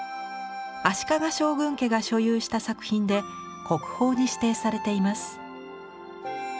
足利将軍家が所有した作品で国宝に指定されています。